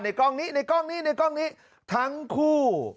กล้องนี้ในกล้องนี้ในกล้องนี้ทั้งคู่